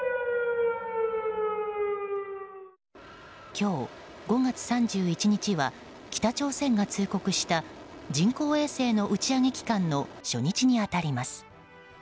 今日、５月３１日は北朝鮮が通告した人工衛星の打ち上げ期間の初日に当たります。